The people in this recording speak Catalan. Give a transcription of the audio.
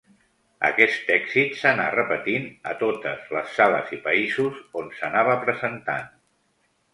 Aquest èxit s'anà repetint a totes les sales i països on s'anava presentant.